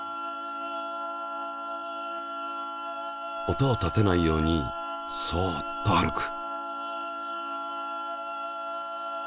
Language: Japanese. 音を立てないようにそっと歩く。